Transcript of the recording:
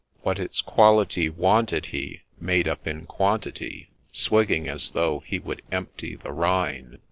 What its quality wanted he made up in quantity, Swigging as though he would empty the Rhine